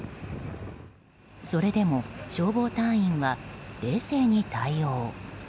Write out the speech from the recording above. それでも消防隊員は冷静に対応。